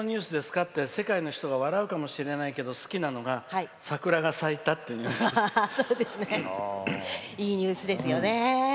って世界の人が笑うかもしれないけど好きなのがいいニュースですよね。